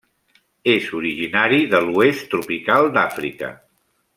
És originari de l'oest tropical d'Àfrica.